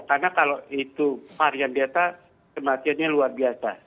karena kalau itu varian delta kematiannya luar biasa